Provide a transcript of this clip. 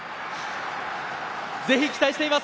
ぜひ期待しています。